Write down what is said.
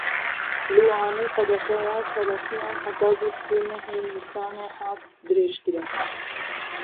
Li Wanê qedexeya çalakiyan heta bîst û nehê Nîsanê hat dirêjkirin.